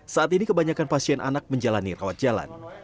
saat ini kebanyakan pasien anak menjalani rawat jalan